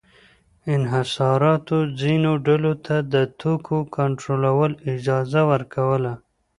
انحصاراتو ځینو ډلو ته د توکو کنټرول اجازه ورکوله.